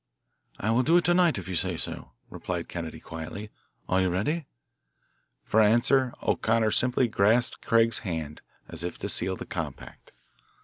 "I will do it to night if you say so," replied Kennedy quietly. "Are you ready?" For answer O'Connor simply grasped Craig's hand, as if to seal the compact.